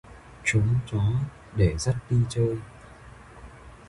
Tróng chó để dắt đi chơi